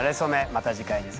また次回です。